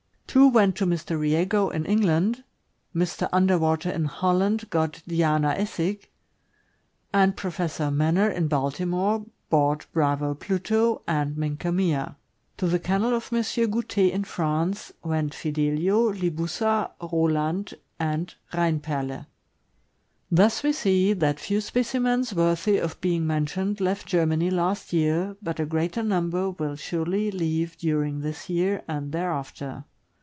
Two went to Mr. Riego, in England, Mr. Onderwater, in Holland, got Diana Essig, and Professor Maen ner, in Baltimore, bought Bravo Pluto and Minca Mia. To the kennel of Mr. Goute, in France, went Fidelio, Libussa, Roland, and Rheinperle. Thus we see that few specimens worthy of being men tioned left Germany last year, but a greater number will surely leave during this year and thereafter.